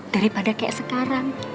daripada seperti sekarang